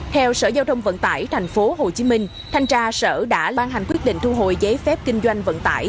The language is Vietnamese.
theo sở giao thông vận tải tp hcm thanh tra sở đã ban hành quyết định thu hồi giấy phép kinh doanh vận tải